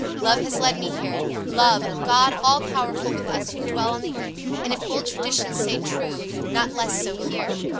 Love has led me here, Love, a god all powerful with us who dwell on the earth, and, if old traditions say true, not less so here.